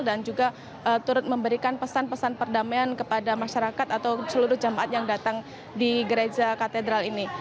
dan juga turut memberikan pesan pesan perdamaian kepada masyarakat atau seluruh jemaat yang datang di gereja katedral ini